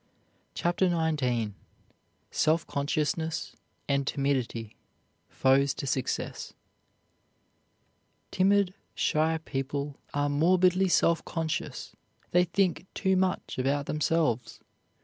CHAPTER XIX SELF CONSCIOUSNESS AND TIMIDITY FOES TO SUCCESS Timid, shy people are morbidly self conscious; they think too much about themselves.